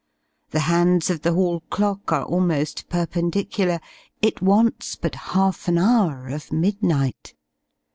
The hands of the hall clock are almost perpendicular it wants but half an hour of midnight!